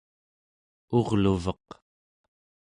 urluveq